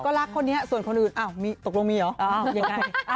รักคนนี้ส่วนคนอื่นอ้าวมีตกลงมีเหรอยังไง